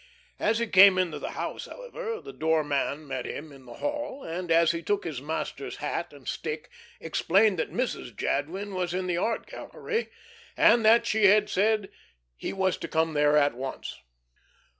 As he came into the house, however, the door man met him in the hall, and, as he took his master's hat and stick, explained that Mrs. Jadwin was in the art gallery, and that she had said he was to come there at once.